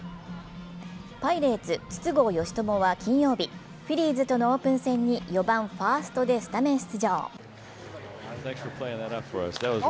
パイレーツ・筒香嘉智は金曜日、フィリーズとのオープン戦に４番・ファーストでスタメン出場。